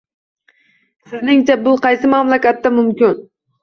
Sizningcha, bu qaysi mamlakatda mumkin?